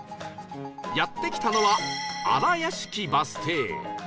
やって来たのは新屋敷バス停